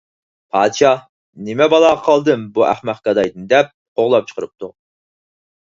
پادىشاھ: «نېمە بالاغا قالدىم بۇ ئەخمەق گادايدىن» دەپ قوغلاپ چىقىرىپتۇ.